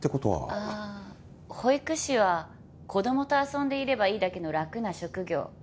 ああ保育士は子供と遊んでいればいいだけの楽な職業。